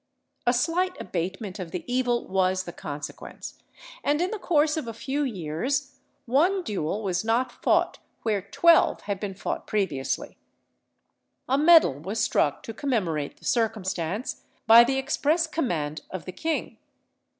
A slight abatement of the evil was the consequence, and in the course of a few years one duel was not fought where twelve had been fought previously. A medal was struck to commemorate the circumstance, by the express command of the king.